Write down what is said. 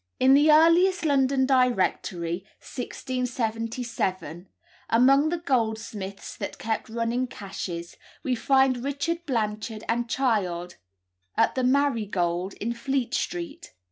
In the earliest London Directory (1677), among "the goldsmiths that keep running cashes," we find "Richard Blanchard and Child, at the Marygold in Fleet Street."